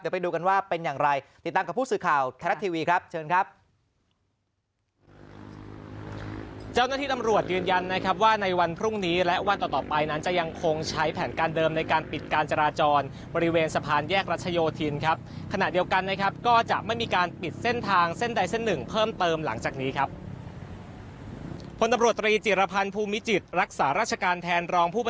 เดี๋ยวไปดูกันว่าเป็นอย่างไรติดตามกับผู้สื่อข่าวแทรกทีวีครับ